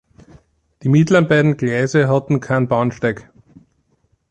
Die mittleren beiden Gleise hatten keinen Bahnsteig.